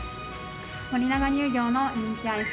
森永乳業の人気アイス